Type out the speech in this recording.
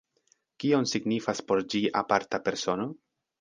Kion signifas por ĝi aparta persono?